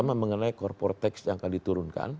pertama mengenai corporate tax yang akan diturunkan